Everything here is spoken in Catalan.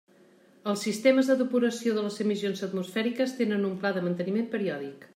Els sistemes de depuració de les emissions atmosfèriques tenen un pla de manteniment periòdic.